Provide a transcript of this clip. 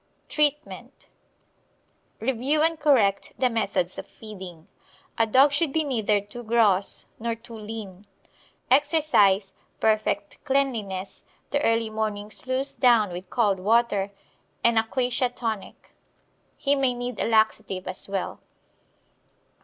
Treatment Review and correct the methods of feeding. A dog should be neither too gross nor too lean. Exercise, perfect cleanliness, the early morning sluice down with cold water, and a quassia tonic. He may need a laxative as well.